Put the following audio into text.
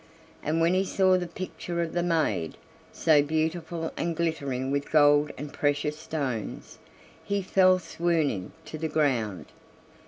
And when he saw the picture of the maid, so beautiful and glittering with gold and precious stones, he fell swooning to the ground.